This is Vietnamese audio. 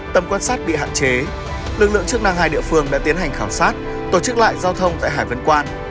tầm quan sát bị hạn chế lực lượng chức năng hai địa phương đã tiến hành khảo sát tổ chức lại giao thông tại hải vân quan